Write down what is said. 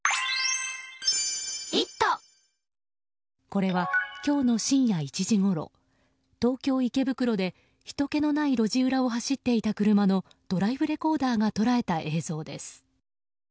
これは今日の深夜１時ごろ東京・池袋でひとけのない路地裏を走っていた車のドライブレコーダーが捉えた映像です。